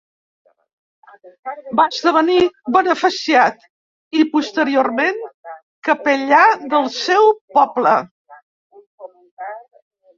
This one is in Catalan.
Va esdevenir beneficiat i, posteriorment, capellà del seu poble.